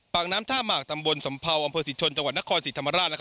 ปากน้ำท่าหม่ากตำบลสำเภาอศิษฐนจนครสิทธิ์ธรรมราช